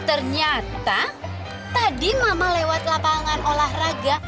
dan ternyata tadi mama lewat lapangan olahraga